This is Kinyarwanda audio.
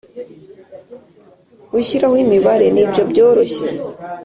Gushyiraho imibare nibyo byoroshye